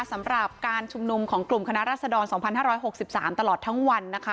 สำหรับการชุมนุมของกลุ่มคณะรัศดร๒๕๖๓ตลอดทั้งวันนะคะ